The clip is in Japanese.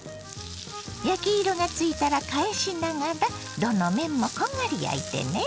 焼き色がついたら返しながらどの面もこんがり焼いてね。